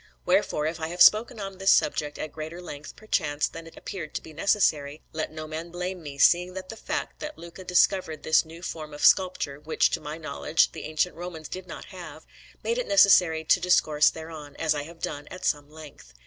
Wherefore, if I have spoken on this subject at greater length, perchance, than it appeared to be necessary, let no man blame me, seeing that the fact that Luca discovered this new form of sculpture which, to my knowledge, the ancient Romans did not have made it necessary to discourse thereon, as I have done, at some length.